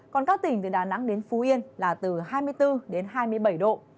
còn các tỉnh từ đà nẵng đến phú yên là từ hai mươi bốn đến hai mươi bảy độ